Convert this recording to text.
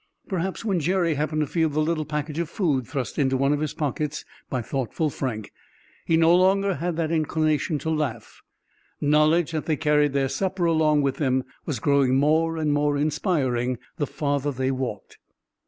Perhaps when Jerry happened to feel the little package of food thrust into one of his pockets by thoughtful Frank, he no longer had that inclination to laugh. Knowledge that they carried their supper along with them was growing more and more inspiring the farther they walked.